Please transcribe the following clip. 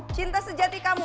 cinta sejati kamu